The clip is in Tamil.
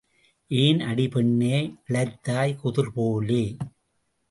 ஏன் அடி பெண்ணே, இளைத்தாய் குதிர் போலே?